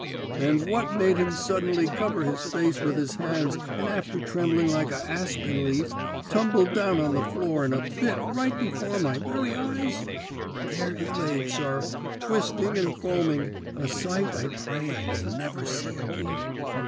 And what made him suddingly cover his face with his hands, and after trembling like a aspen leaf, tumble down on the floor in a fit right before my very eyes? There he laid, sir, twisting and foaming, a sight I pray I may never see agin.